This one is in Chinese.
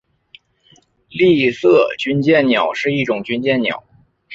丽色军舰鸟是一种军舰鸟。